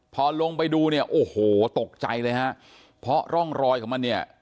พอลงไปดูเนี่ยโอ้โหตกใจเลยฮะเพราะร่องรอยของมันเนี่ย